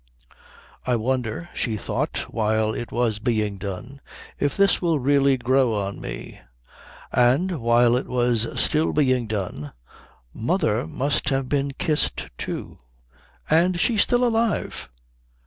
"I wonder," she thought while it was being done, "if this will really grow on me...." And, while it was still being done, "Mother must have been kissed, too, and she's still alive...."